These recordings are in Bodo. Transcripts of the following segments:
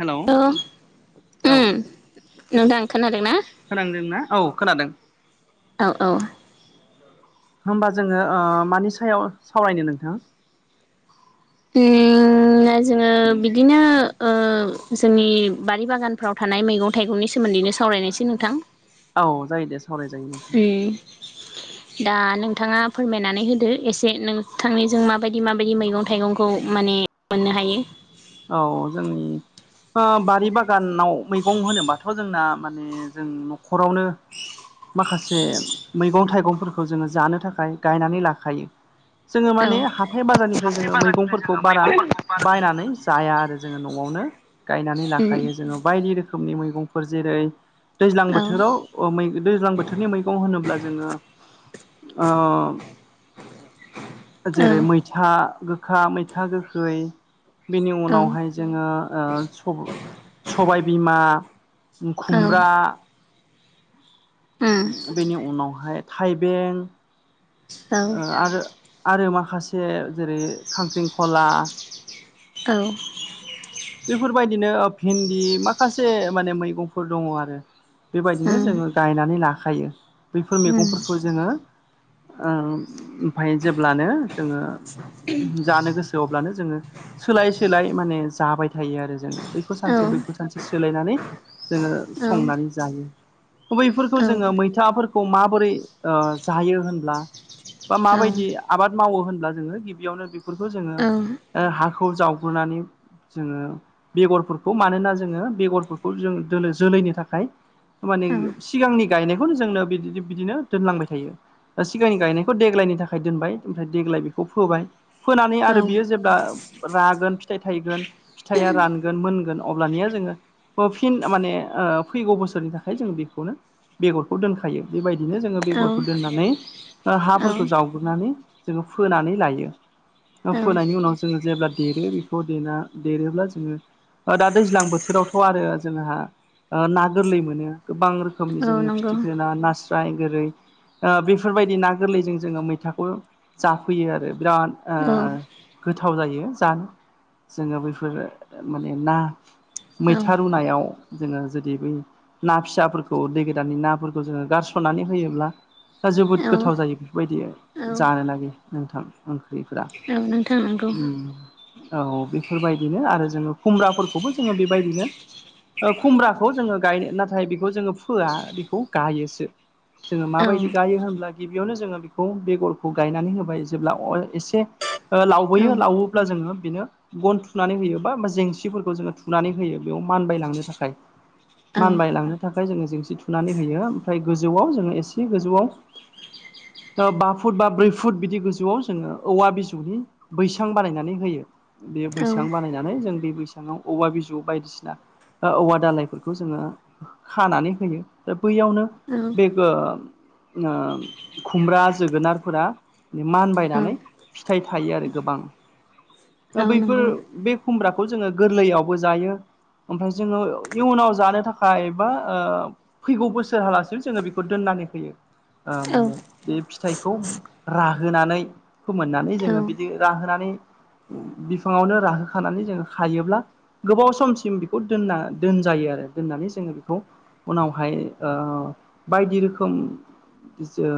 हेलौ औ औ उम नोंथां खोना खोनादोंना औ खोनादों औ औ होमबा जोङो ओ मानि सायाव सावरायनो नोंथां? बे होनाय जोङो बिदिनो ओ जोंनि बारि बागानफ्राव थानाय मैगं थाइगंनि सोमोन्दै दे सावरायनायसै नोंथां औ जायो दे सावराय जायो। उम दा नोंथांङा फोरमायनानै होदो एसे नोंथांनिजों माबायदि माबायदि मैगं थाइगंखौ माने मोननो हायो। औ औ जोंनि ओ बारि बागानाव मैगं होनोबाथ' जोंना माने जों न'खरावनो माखासे मैगं थाइगंफोरखौ जोंङो जानो थाखाय गायनानै लाखायो जोंङो औ माने हाथाय बाजारनिफ्राय हाथाय जोंङो बाजारनिफ्राय मैगंफोरखौ जोङो बारा मैगंफोरखौ बारा बायनानै दा आरो जोंङो नआवनो जोंङो न'आवनो गायनानै उम लाखायो जोंङो बायदि रोखोमनि मैगंफोर जेरै दैज्लां औ बोथोराव अ मै दैज्लां बोथोरनि मैगं होनोब्ला जोंङो ओ औ जेरै मैथा गो गोखा मैथा गोखै बेनि औ उम उनावहाय जोंङो ओ स-सबायबिमा औ खुमब्रा बेनि उनावहाय थाइबें औ ओ आरो आरो माखासे जेरै खांख्रिंखला औ बेफोर बायदिनो ओ भिन्दि माखासे माने मैगंफोर दंंङ आरो बेबायदिनो जोंङो गायनानै लाखायो बैफोर मैगंफोरखौ जोंङो ओ ओमफाय जेब्लानो जोंङो जानो गोसो अब्लानो जोंङो सोलाय सोलाय माने जाबाय थायो आरो जोंङो बेखौ सानसे बैखौ सानसे सोलायनानै जोंङो संनानै जायो। बैफोरखौ औ जोंङो मैथाफोरखौ माबोरै ओ जायो होनब्ला बा औ माबायदि आबाद मावो होनब्ला जोंङो गिबियावनो बेफोरखौ जोंङो औ ओ हाखौ जावग्रोनानै जोंङो बेगरफोरखौ मानोना जोंङो बेगरफोरखौ जों दोनो जोलैनि थाखाय माने औ सिगांनि गायनायखौनो जोंनो बि बिदिनो दोनलांबाय थायो। सिगांनि गायनायखौ देग्लायनि थाखाय दोनबाय ओमफ्राय देग्लायनिखौ बा फोबाय फोनानै आरो बियो जेब्ला रागोन फिथाइ थायगोन फिथाइया रानगोन मोनगोन अब्लानिया जोंङो फिन माने ओ फैगौ बोसोरनि थाखाय जों बेखौनो बेगरखौ दोनखायो बेबायदि बिदिनो जोङो औ बेगरफोर दोननानै ओ औ हाफोरखौ जावग्रोनानै जोंङो फोनानै लायो औ फोनायनि उनाव जोंङो जेब्ला देरो बेखौ देना देरोब्ला जोंङो दा दैज्लां बोथोरावथ' आरो जोंहा ओ ना गोरलै मोनो गोबां रोखोमनि औ जोंङो नंगौ फिथिख्रिना नास स्राय गोरै ओ बेफोरबायदि ना गोरलैजों जोंङो मैथाखौ जाफैयो आरो बिराद ओ औ गोथाव जायो जानो जोंङो बैफोर माने ना औ मैथा रुनायाव जोंङो जुदि बै ना फिसाफोरखौ दै गोदाननि नाफोरखौ जोङो गारसननानै होयोब्ला दा औ जोबोद गोथाव जायो बेफोरबायदि जानो नागै नोंथां ओं ख्रिफ औ नोंथां नंगौ औ बे [unintelligible] बेफोरबायदिनो आरो जोंङो खुमब्राफोरखौबो जोंङो बेबायदिनो ओ खुमब्राखौ जोंङो गायनो नाथाय बेखौ जोंङो फोआ बेखौ गायोसो। जोङो औ माबायदि गायो होनब्ला गिबियावनो जोङो बेखौ बेगरखौ गायनानै होबाय जेब्ला अय एसे ओ औ लावबोयो लावोब्ला जोङो बेनो गन थुनानै होयो बा जेंसिफोरखौ जोङो थुनानै होयो बेयाव मानबायलांनो थाखाय। औ मानबायलांनो थाखाय जोङो जेंसि थुनानै होयो ओमफ्राय गोजौआव जोङो एसे गोजौआव [inaudible] ओ बा फुट बा ब्रै फुट बिदि गोजौआव जोङो औवा बिजौनि बैसां बानायनानै होयो। बे बैसां औ बानायनानै जों बे बैसांआव औवा बिजौ बायदिसिना ओ औवा दालायफोरखौ जोङो खानानै होयो। बैयावनो बे गो ओ खुमब्रा जोगोनारफोरा औ मानबायनानै औ फिथाइ थायो आरो गोबां। ओ बैफोर नंगौ बे खुमब्राखौ जोङो गोरलैयावबो जायो। ओमफ्राय जोङो इयुनाव जानो थाखाय बा ओ फैगौ बोसोर हलासिम जोङो बेखौ दोननानै [unintelligible] ओ औ माने बे फिथाइखौ राहोनानै फोमोननानै औ जोङो बिदि राहोनानै बिफाङावनो राहोखानानै जोङो खायोब्ला गोबाव समसिम बेखौ दोनना दोनजायो आरो। दोननानै जोङो बेखौ उनावहाय ओ बायदि रोखोम ओ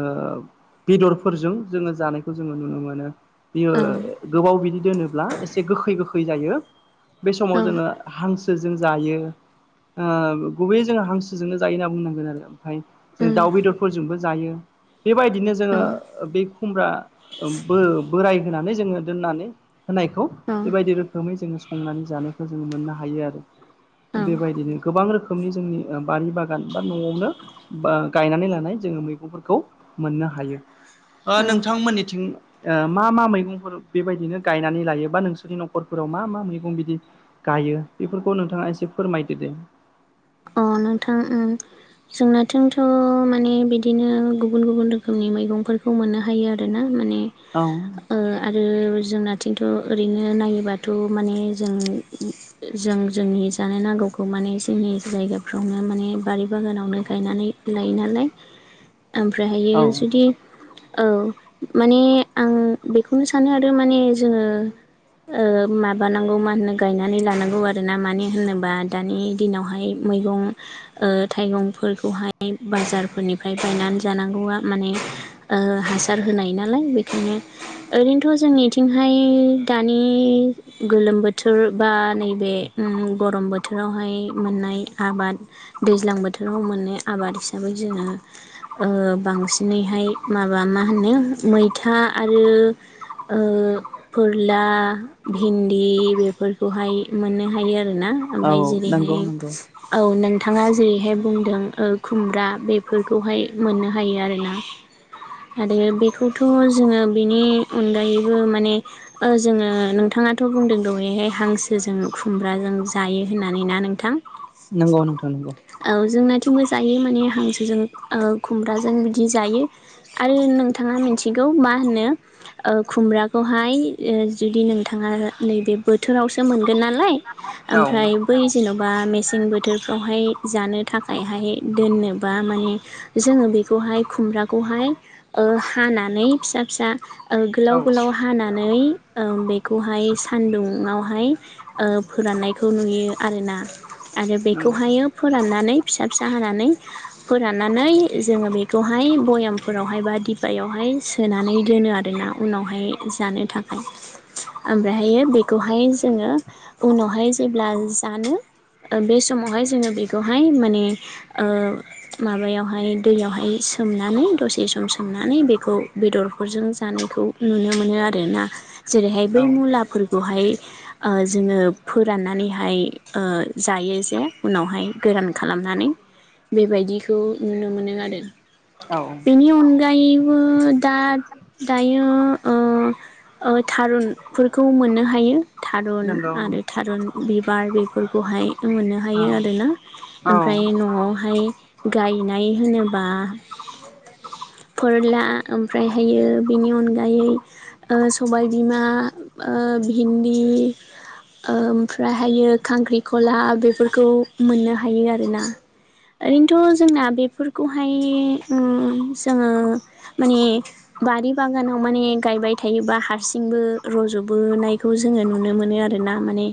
बेदरफोरजों जोङो जानायखौ जोङो नुनो मोनो। बियो उम गोबाव बिदि दोनोब्ला एसे गोखै गोखै जायो। बे समाव औ जोङो हां सोजों जायो गुबै जोङो हांसोजोंनो जायो होनना बुंनांगोन आरो। फ्राय जों औ दाउ बेदरफोरजोंबो जायो। बेबायदिनो जोङो बे खुमब्रा बो-बोराय होनानै जोङो दोननानै होनायखौ बेबायदि रोखोमै जोङो संनानै जानायखौ जोङो मोननो हायो आरो। बेबायदिनो गोबां रोखोम रोखोमनि जोंनि बारि बागान बा न'आवनो गायनानै बा लानाय जोङो मैगंफोरखौ मोननो ह हायो। ओ औ नोंथांमोननिथिं ओ मा मा मैगंफोर बेबायदिनो गायनानै लायो बा नोंसोरनि न'खरफोराव मा मा मैगं बिदि गायो बेफोरखौ नोंथाङा एसे फोरमायदो दे। अ नोंथां उम। जोंना इथिंथ' माने बिदिनो गुबुन गुबुन रोखोमनि मैगंफोरखौ मोननो हायो आरोना माने औ ओ आरो जोंना आथिंथ' ओरैनो नायोबाथ' माने जों जों जोंनि जानो नांगौ खौ माने जोंनि जायगाफ्रावनो माने बारि बागानावनो गायनानै लायो नालाय। औ ओमफ्रायहायो जुदि औ माने आं बेखौनो सानो आरो माने जोङो ओ माबानांगौ मा होनो गायनानै लानांगौ आरो ना मानो होनोबा दानि दिनावहाय मैगं ओ थाइगंफोरखौहाय बाजारफोरनिफ्राय बायनानै जानांगौआ माने ओ हासार होनाय नालाय बेखायनो ओरैनोथ' जोंनिथिंहाय दानि गोलोम बोथोर बा नैबे उम गरम बोथोरावहाय मोननाय आबाद दैज्लां बोथोराव मोननाय आबाद हिसाबै जोङो ओ बांसिनैहाय हायो माबा मा होनो मैथा आरो ओ फोरला, भिन्दि बेफोरखौहाय मोननो हायो आरो। आरोना औ ओमफ्राय नंगौ जेरैहाय नंगौ औ नोंथाङा जेरैहाय बुंदों ओ खुमब्रा बेफोरखौहाय मोननो हायो आर ना। आरो बेखौथ' जोङो बेनि अनगायैबो माने जोङो नोंथां नोंथाङाथ' बुंदों दहयहाय हांसोजों खुमब्राजों जायो होननानै ना नोंथां? नंगौ नोंथां नंगौ। थिंबो जायो माने हांसोजों ओ खुमब्राजों बिदि जायो आरो नोंथाङा मिथिगौ गौ मा होनो ओ खुमब्राखौहाय ओ जुदि नोंथाङा नैबे बोथोरावसो मोनगोन नालाय औ ओमफ्राय बै जेन'बा मेसें मेसें बोथोरफ्रावहाय जानो थाखायहाय दोननोबा माने जोङो बेखौहाय खुम ब्राखौहाय ओ हानानै फिसा फिसा औ गोलाव गोलाव हानानै ओ बेखौहाय सानदुंङाव हाय ओ फोराननायखौ नुयो आरोना आरो नंगौ बेखौहायो फोराननानै फिसा फिसा हानानै फोराननानै जोङो बेखौहाय भयामफोरावहाय बा दिबायावहाय सोनानै दोनो आरोना उनावहाय जानो थाखाय ओमफ्रायहायो बेखौहाय जोङो उनावहाय जेब्ला जानो बे समावहाय जोङो बेखौहाय माने ओ माबायावहाय दैयावहाय सोमनानै दसे सम सोमनानै बेखौ बेदरफोरजों जानायखौ नुनो मोनो आरोना जेरैहाय बै औ मुलाफोरखौहाय ओ‌ जोङो फोराननानैहाय ओ जायो जे उनावहाय गोरान खालामनानै बेबायदिखौ नुनो मोनो आरो औ बेनि अन गायैबो दा दायो ओ थारुनफोरखौ मोननो हायो थारुन नंगौ आरो थारुन बिबार बेफोरखौहाय मोननो हायो औ आरोना औ ओमफ्राय न'आवहाय गायनाय होनोब्ला फोरला ओमफ्रायहायो बेनि अनगायै ओ सबायबिमा ओ भिन्दि ओमफ्रायहायो खांख्रिखला बेफोरखौ मोननो हायो आरोना ओरैनोथ' जोंना बेफोरखौहाय ओ जोङो माने बारि बागानाव माने गायबाय थायोबा हारसिंबो रज'बोनायखौ जोङो नुनो मोनो आरो ना माने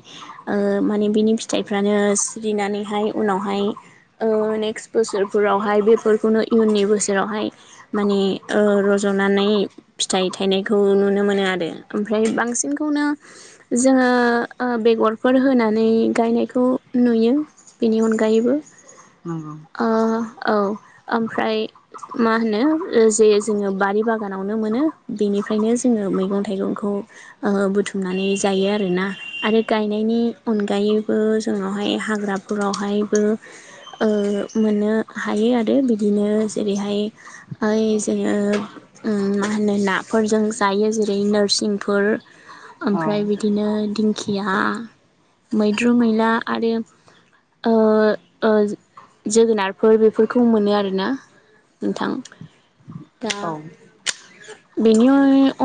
ओ माने बिनि फि फिथाइफ्रानो सिरिनानैहाय उनावहाय ओ नेक्स्ट बोसोरफोरावहाय बेफोरखौनो इयननि बोसोरावहाय माने ओ रज'नानै फिथाइ थायनायखौ नुनो मोनो आरो ओमफ्राय बांसिनखौनो जोङो बेगरफोर होनानै गायनाय बेखौ नुयो बेनि अनगायैबो नंगौ ओ औ ओमफ्राय मा होनो जे जोङो बारि बागानावनो मोनो बेनि ओनिफ्रायनो जोङो मैगं थाइगंखौ ओ‌ बुथुमनानै जायो आरोना आरो गायनायनि अनगायैबो जोंनावहाय हाग्राफोरावहायबो ओ मोननो हायो आरो बिदिनो जेरैहाय ओ जोङो ओम होनो नाफोरजों जायो जेरै नोरसिंफोर औ ओमफ्राय बिदिनो दिंखिया मै बाद्रु मैला आरो ओ ओ जोगोनारफोर बेफोरखौ मोनो आरोना नोंथां दा औ बेनि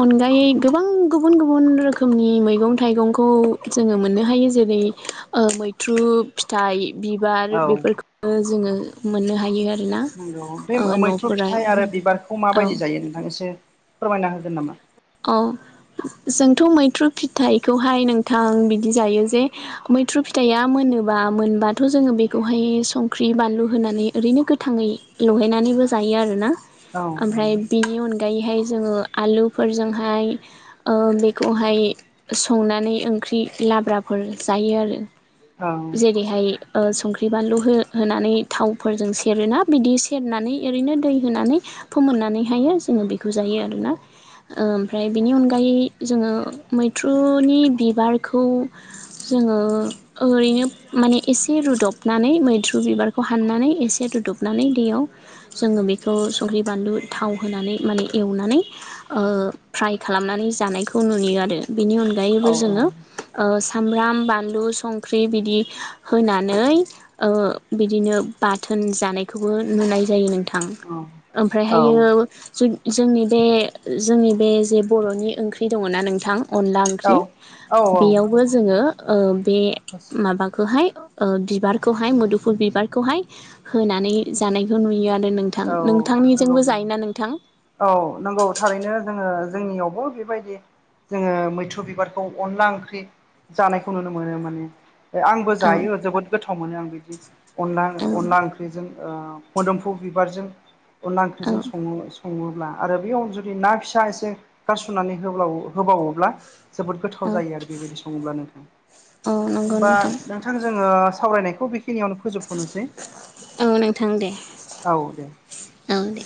अनगायै गोबां गुबुन गुबुन रोखोमनि मैगं थाइगंखौ जोङो मोननो हायो जेरै ओ मैथ्रु फिथाइ बिबार औ बेफोरखौनो जोङो मोननो हायो आरो नंगौ बे मैथ्रु फिथाइ आरो बिबारखौ औ माबायदि जायो नोंथाङा एसे फोरमायना होगोन नामा औ जोंथ' मैथ्रु फिथाइखौहाय नोंथां बिदि जायो जे मैथ्रु फिथाइआ मोन होनोबा मोनबाथ' जोङो बेखौहाय संख्रि बानलु होनानै ओरैनो गोथाङै लगायनानैबो जायो आरो ना औ आमफ्राय बिनि अनगायैहाय जोंङो आलु फोरजोंहाय ओ बेखौहाय संनानै ओंख्रि लाब्राफोर जायो हायो औ आरो जेरैहाय ओ संख्रि बानलु हो होनानै थावफोरजों सेरोना बिदि सेरनानै ओरैनो दै होनानै फोमोननानैहायो जोङो बेखौ जायो आरोना ओ ओमफ्राय बिनि अनगायै जोङो मैथ्रुनि बिबारखौ जोंङो ओरैनो माने एसे रुदबनानै मैथ्रु बिबारखौ हाननानै एसे रुदबनानै दैयाव जोंङो बेखौ संख्रि बानलु थाव होनानै माने एवनानै ओ फ्राय खालामनानै जानायखौ नुयो आरो बेनि अनगायैबो औ जोंङो औ ओ सामब्राम बानलु संख्रि बिदि होनानै ओ बिदिनो बाथो होनजानायखौबो नुनाय जायो नोंथां। औ ओमफ्रायहायो औ जो-जोंनि बे जोंनि बे जे बर'नि ओंख्रि दंङना नोंथां अनला औ ओंख्रि औ बेयावबो जोंङो ओ बे माबाखौहाय ओ बिबारखौहाय मोदोमफुल बिबारखौहाय होनानै जानायखौ नुयो आरो नोंथां नंगौ नोंथांनिजोंबो नंगौ जायोना नोंथां? औ नंगौ थारैनो जोंङो जोंनियावबो बेबायदि जोंङो मैथ्रु बिबारखौ अनला ओंख्रि जानायखौ नुनो मोनो माने आंबो औ जायो जोबोद गोथाव मोनो आं अनला औ अनला ओंख्रिजों ओ मोदोमफु बिबारजों अनला औ ओंख्रिजों संङो संङोब्ला आरो बे अन जुदि ना फिसा एसे गारसननानै होबाव होबावोब्ला जोबोद गोथाव औ जायो आरो बेबायदि संङोब्लानो औ नंगौ होमबा नोंथां जोंङो सावरायनायखौ बेखिनियावनो फोजोबथ'नोसै औ नोंथां दे औ दे औ दे